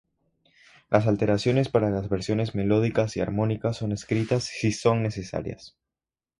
Las alteraciones para las versiones melódicas y armónicas son escritas si son necesarias.